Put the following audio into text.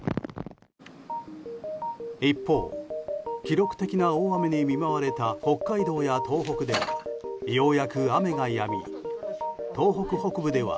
一方、記録的な大雨に見舞われた北海道や東北ではようやく雨がやみ東北北部では